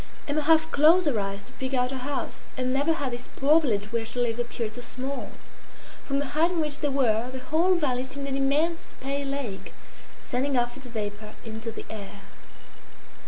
Emma half closed her eyes to pick out her house, and never had this poor village where she lived appeared so small. From the height on which they were the whole valley seemed an immense pale lake sending off its vapour into the air.